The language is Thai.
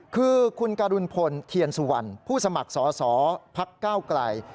คือคุณกรุณพลเทียนสุวรรณผู้สมัครสอสอพักก้าวไกล